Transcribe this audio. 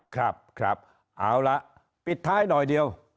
ครับครับเอาละปิดท้ายหน่อยเดียว